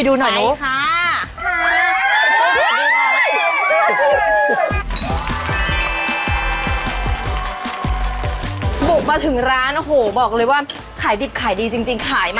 เจ๊เข้ามือแบบนี้เลย